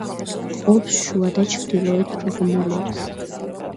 ყოფს შუა და ჩრდილოეთ ღრმულებს.